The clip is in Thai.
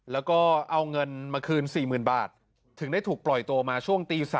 แล้วก็เอาเงินมาคืน๔๐๐๐บาทถึงได้ถูกปล่อยตัวมาช่วงตี๓